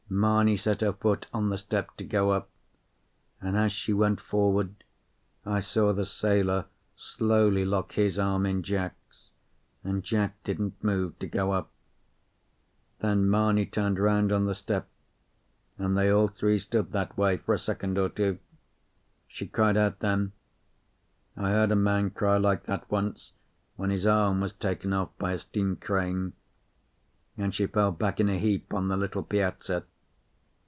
Mamie set her foot on the step to go up, and as she went forward, I saw the sailor slowly lock his arm in Jack's, and Jack didn't move to go up. Then Mamie turned round on the step, and they all three stood that way for a second or two. She cried out then I heard a man cry like that once, when his arm was taken off by a steam crane and she fell back in a heap on the little piazza.